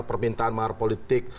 permintaan mahar politik